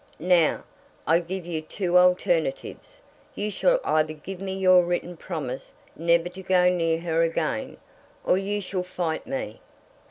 Now, I give you two alternatives. You shall either give me your written promise never to go near her again, or you shall fight me."